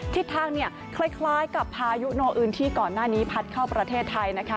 ทิศทางคล้ายกับพายุโนอื่นที่ก่อนหน้านี้พัดเข้าประเทศไทยนะคะ